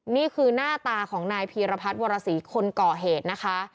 นี่คือหน้าตาของนายพีรพัฒน์วรสีคนก่อเหตุนะคะ